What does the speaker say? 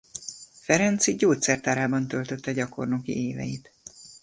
Ferenczy gyógyszertárában töltötte gyakornoki éveit.